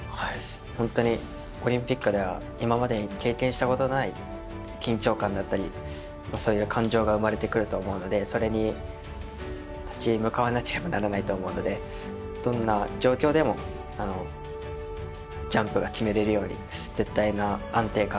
ホントにオリンピックでは今まで経験したことのない緊張感だったり感情が生まれてくると思うのでそれに立ち向かわなければならないと思うのでどんな状況でもジャンプが決められるように絶対な安定感と。